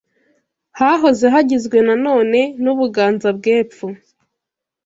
Hahoze hagizwe na none n’u Buganza bw’Epfo